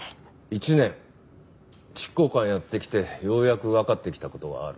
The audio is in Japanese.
１年執行官をやってきてようやくわかってきた事がある。